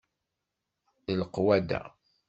D leqwada.